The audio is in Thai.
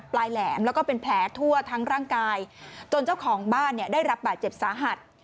แหลมแล้วก็เป็นแผลทั่วทั้งร่างกายจนเจ้าของบ้านเนี่ยได้รับบาดเจ็บสาหัส